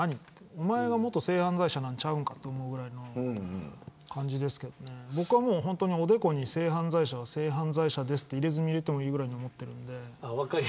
おまえが元性犯罪者なんちゃうんかと思うぐらいの感じですけど僕はおでこに性犯罪者は性犯罪者ですって入れ墨入れてもいいぐらいに思ってるんで。